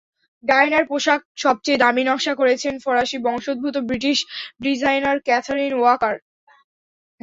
ডায়ানার পোশাক সবচেয়ে বেশি নকশা করেছেন ফরাসি বংশোদ্ভূত ব্রিটিশ ডিজাইনার ক্যাথেরিন ওয়াকার।